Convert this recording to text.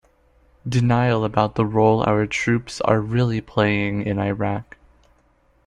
Denial about the role our troops are really playing in Iraq.